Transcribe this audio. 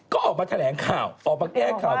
ก็ออกมาแถลงข่าวออกมาแก้ข่าว